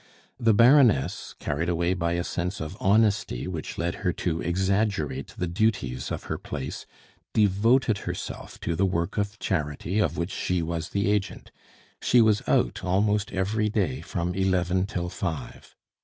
The Baroness, carried away by a sense of honesty which led her to exaggerate the duties of her place, devoted herself to the work of charity of which she was the agent; she was out almost every day from eleven till five.